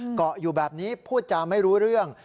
เกาะอยู่แบบนี้พูดจาไม่รู้เรื่อง